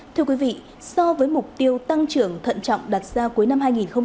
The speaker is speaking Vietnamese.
thưa quý vị so với mục tiêu tăng trưởng thận trọng đặt ra cuối năm hai nghìn hai mươi ba